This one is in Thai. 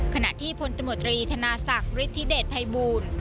ขณะที่พลตำรวจตรีธนาศักดิ์ฤทธิเดชภัยบูล